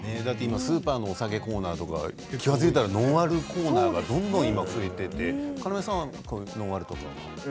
スーパーもお酒コーナー、気付いたらノンアルコーナーがどんどん増えていて要さんは、どうですか？